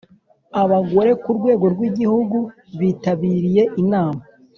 Abagore ku rwego rw Igihugu bitabiriye inama